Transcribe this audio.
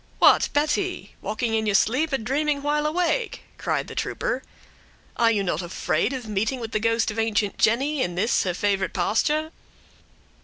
"What, Betty! Walking in your sleep, or dreaming while awake?" cried the trooper. "Are you not afraid of meeting with the ghost of ancient Jenny in this her favorite pasture?"